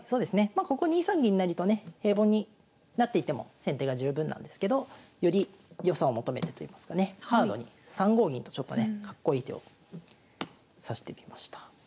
まここ２三銀成とね平凡に成っていっても先手が十分なんですけどより良さを求めてといいますかねハードに３五銀とちょっとねかっこいい手を指してみました。